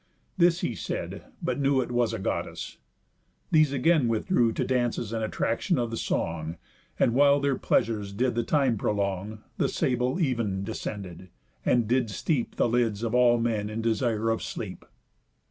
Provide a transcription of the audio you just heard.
This he said, but knew It was a Goddess. These again withdrew To dances and attraction of the song; And while their pleasures did the time prolong, The sable Even descended, and did steep The lids of all men in desire of sleep.